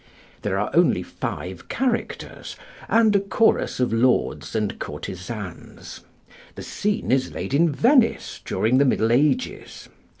There are only five characters, and a chorus of lords and courtesans. The scene is laid in Venice during the Middle Ages.